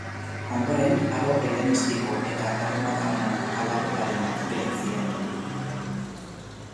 Ondoren, aro helenistiko eta erromatarrean aldaketaren batzuk egin ziren.